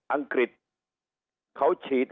อังกฤษเขาฉีด